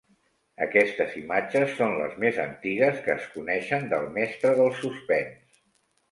Aquestes imatges són les més antigues que es coneixen del mestre del suspens.